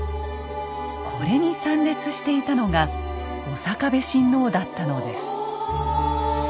これに参列していたのが刑部親王だったのです。